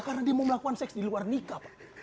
karena dia mau melakukan seks di luar nikah pak